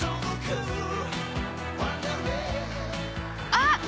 あっ！